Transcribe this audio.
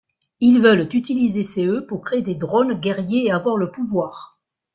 Ils veulent utiliser ces œufs pour créer des drones guerriers et avoir le pouvoir.